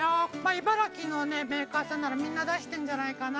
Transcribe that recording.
茨城のメーカーさんならみんな出してんじゃないかな。